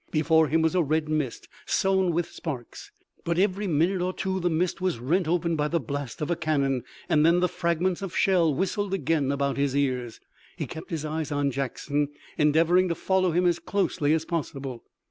Before him was a red mist sown with sparks, but every minute or two the mist was rent open by the blast of a cannon, and then the fragments of shell whistled again about his ears. He kept his eyes on Jackson, endeavoring to follow him as closely as possible.